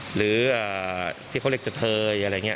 หรือที่เขาเรียกจะเทยอะไรอย่างนี้